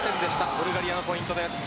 ブルガリアのポイントです。